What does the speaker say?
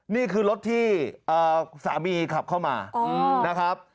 นี่คือรถที่สามีขับเข้ามานะครับ